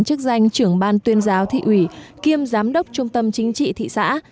chức danh trưởng ban tuyên giáo thị ủy kiêm giám đốc trung tâm chính trị thị xã